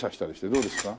どうですか？